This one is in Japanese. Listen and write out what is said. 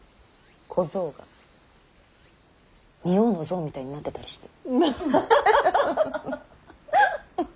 小僧が仁王の像みたいになってたりして。